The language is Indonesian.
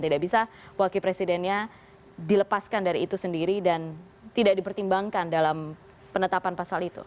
tidak bisa wakil presidennya dilepaskan dari itu sendiri dan tidak dipertimbangkan dalam penetapan pasal itu